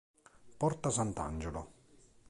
Porta Sant'Angelo